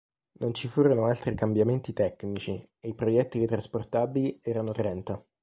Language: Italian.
Non ci furono altri cambiamenti tecnici, e i proiettili trasportabili erano trenta.